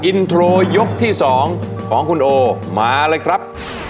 อินโทรยกที่๒ของคุณโอมาเลยครับ